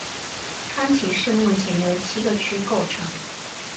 川崎市目前由七个区构成。